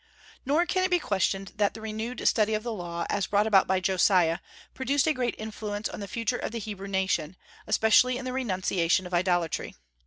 Nor can it be questioned that the renewed study of the Law, as brought about by Josiah, produced a great influence on the future of the Hebrew nation, especially in the renunciation of idolatry.